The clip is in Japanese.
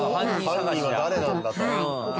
犯人は誰なんだと。